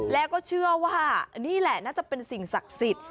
แล้วก็เชื่อว่านี่แหละน่าจะเป็นสิ่งศักดิ์สิทธิ์